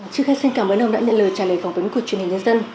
trước hết xin cảm ơn ông đã nhận lời trả lời phỏng vấn của truyền hình nhân dân